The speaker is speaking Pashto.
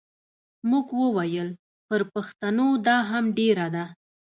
موږ وویل پر پښتنو دا هم ډېره ده.